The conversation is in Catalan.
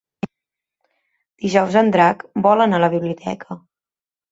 Dijous en Drac vol anar a la biblioteca.